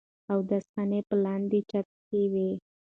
اودس خانې پۀ لاندې چت کښې وې